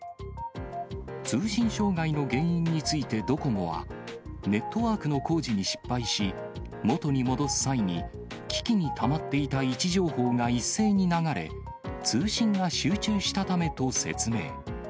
通信障害の原因についてドコモは、ネットワークの工事に失敗し、元に戻す際に機器にたまっていた位置情報が一斉に流れ、通信が集中したためと説明。